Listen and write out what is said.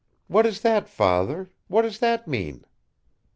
What is that, Father? What does that mean?"